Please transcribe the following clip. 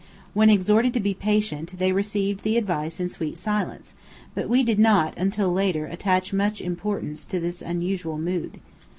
When exhorted to be patient, they received the advice in sweet silence; but we did not until later attach much importance to this unusual mood.